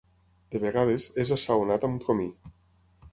De vegades, és assaonat amb comí.